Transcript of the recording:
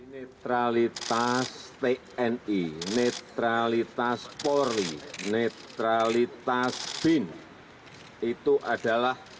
netralitas tni netralitas polri netralitas bin itu adalah